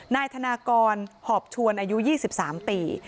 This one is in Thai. นายธนากรหอบชวนอายุ๒๓ปี